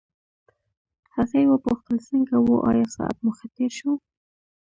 هغې وپوښتل څنګه وو آیا ساعت مو ښه تېر شو.